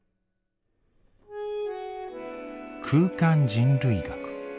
「空間人類学」。